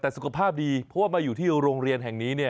แต่สุขภาพดีเพราะว่ามาอยู่ที่โรงเรียนแห่งนี้เนี่ย